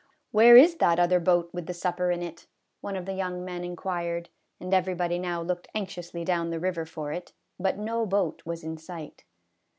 " Where is that other boat with the supper in it ?" one of the young men inquired, and everybody now looked anxiously down the river for it, but no boat was in sight.